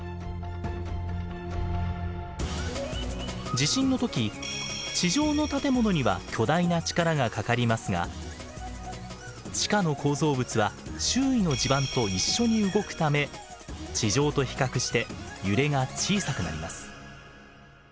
地震の時地上の建物には巨大な力がかかりますが地下の構造物は周囲の地盤と一緒に動くため地上と比較して揺れが小さくなります。